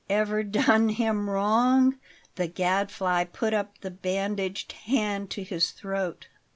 Ever done him wrong! The Gadfly put up the bandaged hand to his throat.